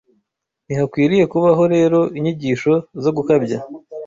Ntihakwiriye kubaho rero inyigisho zo gukabya